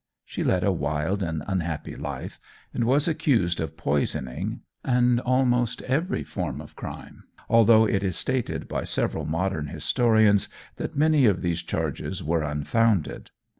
She led a wild and unhappy life, and was accused of poisoning, and almost every form of crime, although it is stated by several modern historians that many of these charges were unfounded.